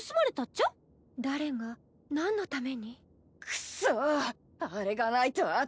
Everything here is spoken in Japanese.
くっそあれがないとあたい。